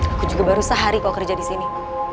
aku juga baru sehari kau kerja disini